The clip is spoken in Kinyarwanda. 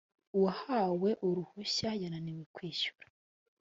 uwahawe uruhushya yananiwe kwishyura